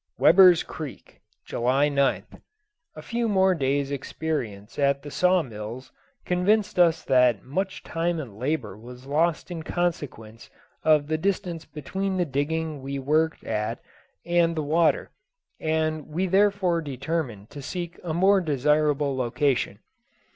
Weber's Creek. July 9th. A few more days' experience at the saw mills convinced us that much time and labour was lost in consequence of the distance between the digging we worked at and the water, and we therefore determined to seek a more desirable location.